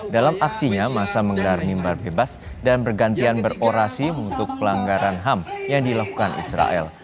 dalam aksinya masa menggelar mimbar bebas dan bergantian berorasi untuk pelanggaran ham yang dilakukan israel